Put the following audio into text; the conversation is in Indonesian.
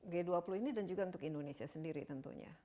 g dua puluh ini dan juga untuk indonesia sendiri tentunya